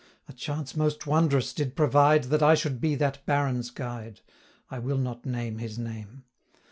220 A chance most wondrous did provide, That I should be that Baron's guide I will not name his name!